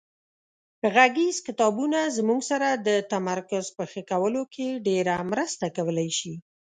غږیز کتابونه زموږ سره د تمرکز په ښه کولو کې ډېره مرسته کولای شي.